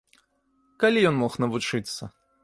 Калі ён мог навучыцца?